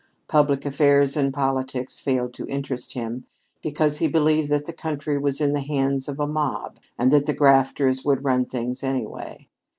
Public affairs and politics failed to interest him because he believed that the country was in the hands of a mob and that the "grafters would run things anyway."